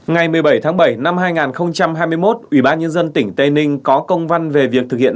ngày một mươi bảy tháng bảy năm hai nghìn hai mươi một ủy ban nhân dân tỉnh tây ninh có công văn về việc thực hiện